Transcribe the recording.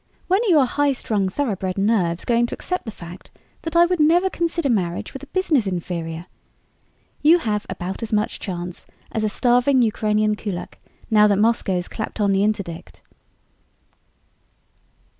"When are your high strung, thoroughbred nerves going to accept the fact that I would never consider marriage with a business inferior? You have about as much chance as a starving Ukrainian kulak now that Moscow's clapped on the interdict."